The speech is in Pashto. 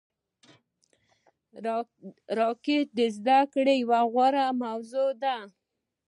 راکټ د زده کړې یوه غوره موضوع ده